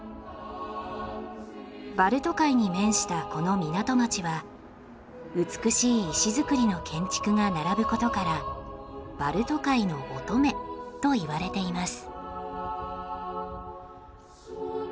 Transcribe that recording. バルト海に面したこの港町は美しい石造りの建築が並ぶことからバルト海の乙女といわれています。